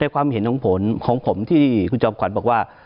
ความเห็นของผมของผมที่คุณจอมขวัญบอกว่า